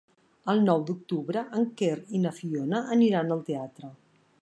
El nou d'octubre en Quer i na Fiona aniran al teatre.